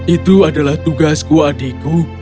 itu adalah tugasku adikku